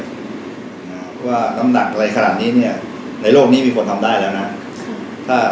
คือว่าน้ำดังไว้ขลาดนี้ในโลกนี้มีคนทำได้แล้วนะ